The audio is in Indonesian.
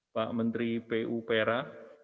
pak menteri pu pera